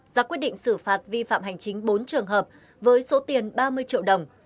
ra quyết định xử phạt vi phạm hành chính bốn trường hợp với số tiền ba mươi triệu đồng